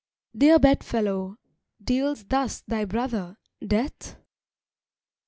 Dear bedfellow, deals thus thy brother, Death?